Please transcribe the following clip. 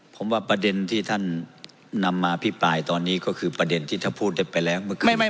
ผมว่าประเด็นที่ท่านนำมาพิปรายตอนนี้ก็คือประเด็นที่ท่านพูดได้ไปแล้วเมื่อคืนนี้